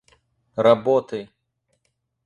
работы